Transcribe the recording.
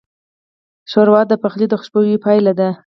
ښوروا د پخلي د خوشبویۍ پایله ده.